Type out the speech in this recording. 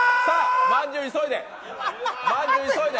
まんじゅう急いで。